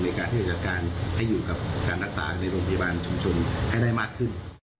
ในการที่จะจัดการให้อยู่กับการรักษาในโรงพยาบาลชุมชนให้ได้มากขึ้น